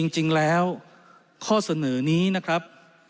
จริงแล้วข้อเสนอนี้นะครับ